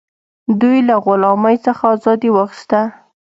دوی له غلامۍ څخه ازادي واخیسته.